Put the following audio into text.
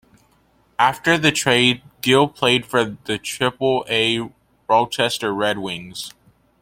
After the trade, Gil played for the Triple-A Rochester Red Wings.